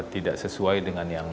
tidak sesuai dengan yang